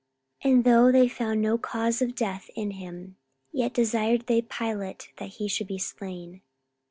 44:013:028 And though they found no cause of death in him, yet desired they Pilate that he should be slain.